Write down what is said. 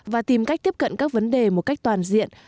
và tìm cách tiếp cận các vấn đề một cách toàn diện